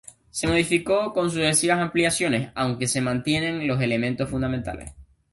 Se modificó con sucesivas ampliaciones, aunque se mantienen los elementos fundamentales.